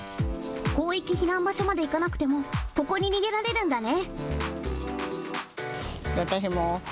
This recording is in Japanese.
広域避難場所まで行かなくてもここに逃げられるんだね。